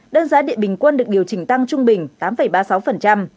đơn giá điện bình quân được điều chỉnh tăng trung bình tám ba mươi sáu